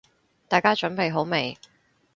大家準備好未？